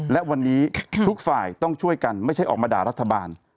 และวันนี้ทุกฝ่ายต้องช่วยกันไม่ใช่ออกมาด่ารัฐบาล